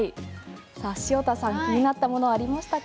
さあ潮田さん気になったものありましたか。